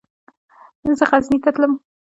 زه غزني ته تلم.